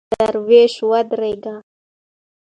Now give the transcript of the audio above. درایش ودرېږه !!